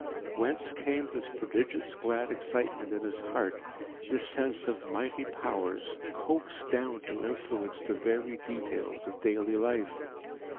Whence came this prodigious glad excitement in his heart, this sense of mighty Powers coaxed down to influence the very details of daily life?